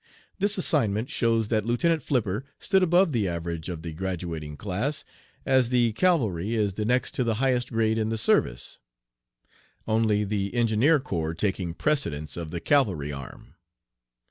This assignment shows that Lieutenant Flipper stood above the average of the graduating class, as the cavalry is the next to the highest grade in the service only the Engineer Corps taking precedence of the cavalry arm.